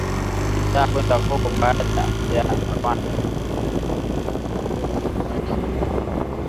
bidhaa kwenda Kongo baada ya Rwanda